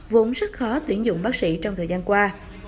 vốn rất khó tuyển dụng bác sĩ trong thời gian qua